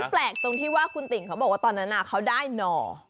แปลกตรงที่ว่าคุณติ่งเขาบอกว่าตอนนั้นเขาได้หน่อ